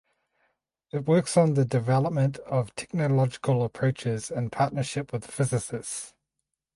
It works on the development of technological approaches in partnership with physicists.